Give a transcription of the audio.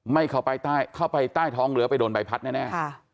ไม่เข้าไปใต้ท้องเรือไปโดนใบพัดแน่